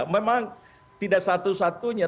memang tidak satu satunya